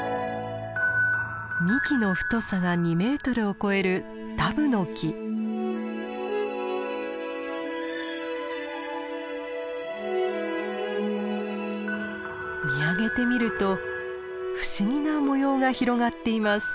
幹の太さが２メートルを超える見上げてみると不思議な模様が広がっています。